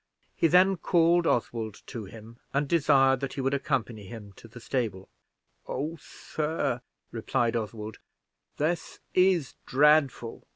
He then called Oswald to him, and desired that he would accompany him to the stable. "Oh, sir," replied Oswald, "this is dreadful!